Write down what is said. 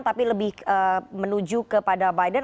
tapi lebih menuju kepada biden